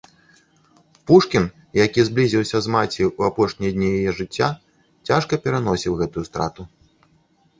Пушкін, які зблізіўся з маці ў апошнія дні яе жыцця, цяжка пераносіў гэтую страту.